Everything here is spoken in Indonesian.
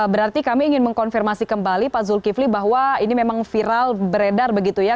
berarti kami ingin mengkonfirmasi kembali pak zulkifli bahwa ini memang viral beredar begitu ya